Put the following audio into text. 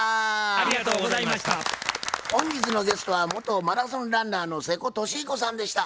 本日のゲストは元マラソンランナーの瀬古利彦さんでした。